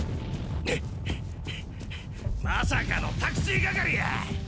まさかのタクシー係や。